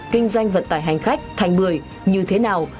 kinh doanh vận tải hành khách thành bưởi như thế nào